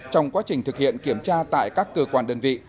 trong quá trình thực hiện kiểm tra tại các cơ quan đơn vị